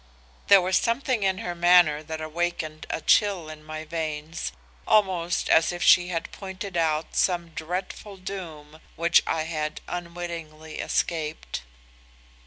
"There was something in her manner that awakened a chill in my veins almost as if she had pointed out some dreadful doom which I had unwittingly escaped.